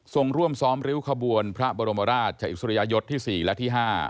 ส่งร่วมซ้อมริ้วขบวนพระบรมราชอิสริยยศที่๔และที่๕